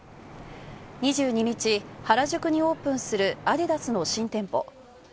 ２２日、原宿にオープンするアディダスの新店舗。